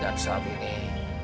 kau adalah wanita yang tangguh